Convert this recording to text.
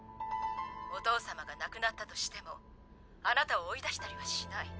お父様が亡くなったとしてもあなたを追い出したりはしない。